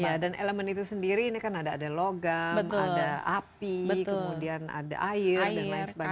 iya dan elemen itu sendiri ini kan ada ada logam ada api kemudian ada air dan lain sebagainya